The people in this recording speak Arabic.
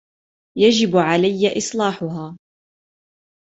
يجب عليَ إصلاحها